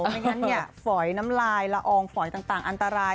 ไม่งั้นฝอยน้ำลายละอองฝอยต่างอันตราย